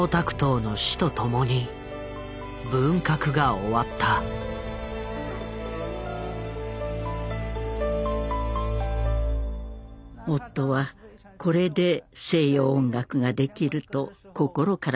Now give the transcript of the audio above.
夫はこれで西洋音楽ができると心から喜んでいました。